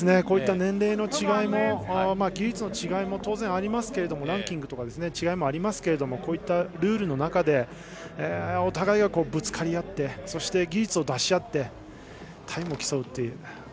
こういった年齢の違いも技術の違いも当然、ありますけどランキングとか違いもありますがこういったルールの中でお互いぶつかり合ってそして、技術を出し合ってタイムを競うっていう。